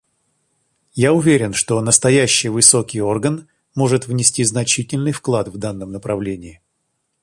Я уверен, что настоящий высокий орган может внести значительный вклад в данном направлении.